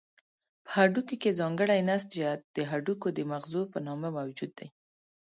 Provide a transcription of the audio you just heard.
په هډوکو کې ځانګړی نسج د هډوکو د مغزو په نامه موجود دی.